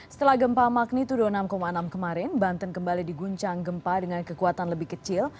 setelah gempa magnitudo enam enam kemarin banten kembali diguncang gempa dengan kekuatan lebih kecil